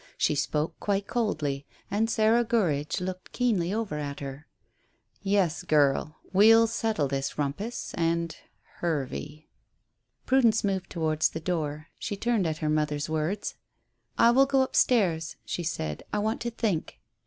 She spoke quite coldly, and Sarah Gurridge looked keenly over at her. "Yes, girl, we'll settle this rumpus, and Hervey." Prudence moved towards the door. She turned at her mother's words. "I will go up stairs," she said. "I want to think."